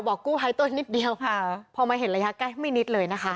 กู้ภัยตัวนิดเดียวค่ะพอมาเห็นระยะใกล้ไม่นิดเลยนะคะ